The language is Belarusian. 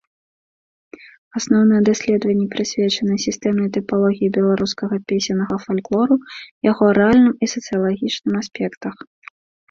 Асноўныя даследаванні прысвечаны сістэмнай тыпалогіі беларускага песеннага фальклору, яго арэальным і сацыялагічным аспектах.